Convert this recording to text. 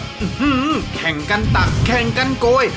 อื้อหือแข่งกันตักแข่งกันโกย